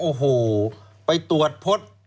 โอ้โหไปตรวจพบ